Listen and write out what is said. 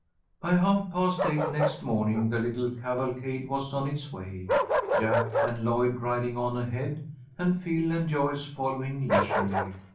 By half past eight next morning the little cavalcade was on its way, Jack and Lloyd riding on ahead, and Phil and Joyce following leisurely.